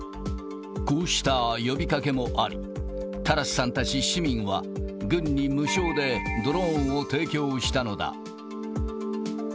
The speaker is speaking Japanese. こうした呼びかけもあり、タラスさんたち市民は、軍に無償でドローンを提供したのだ。